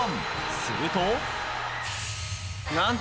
すると。